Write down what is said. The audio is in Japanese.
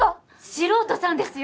素人さんですよ？